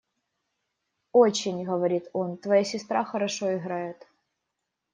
– «Очень, – говорит он, – твоя сестра хорошо играет.